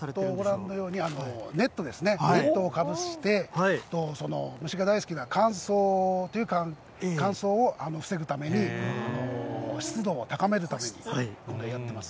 ご覧のように、ネットですね、ネットをかぶせて、虫が大好きな乾燥を防ぐために、湿度を高めるためにやってます。